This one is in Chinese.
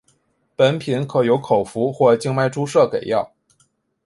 本品可由口服或静脉注射给药。